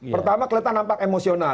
pertama kelihatan nampak emosional